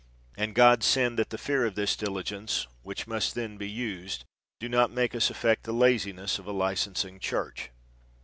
And God send that the fear of this diligence, which must then be used, do not make us affect the laziness of a licensing Church.